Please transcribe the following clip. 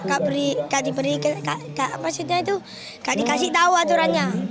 gak diberi maksudnya itu gak dikasih tahu aturannya